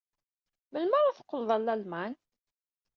Melmi ara teqqleḍ ɣer Lalman?